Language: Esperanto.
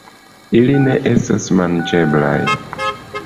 Ili ne estas manĝeblaj.